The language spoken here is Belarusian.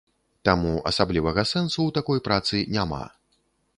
Таму асаблівага сэнсу ў такой працы няма.